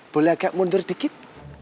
boleh agak mundur dikit